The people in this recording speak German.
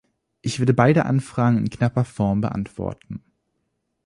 Ich werde beide Anfragen in knapper Form beantworten.